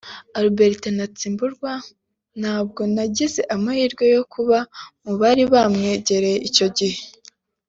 Albert Rudatsimburwa ntabwo nagize amahirwe yo kuba mu bari bamwegereye icyo gihe